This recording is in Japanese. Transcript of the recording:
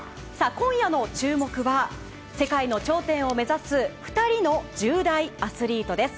今夜の注目は世界の頂点を目指す２人の１０代アスリートです。